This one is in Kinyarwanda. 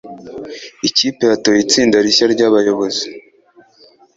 Ikipe yatoye itsinda rishya ryabayobozi.